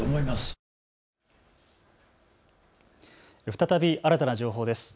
再び新たな情報です。